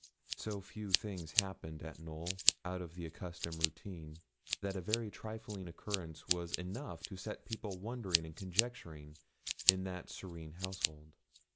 So few things happened at Knowl out of the accustomed routine, that a very trifling occurrence was enough to set people wondering and conjecturing in that serene household.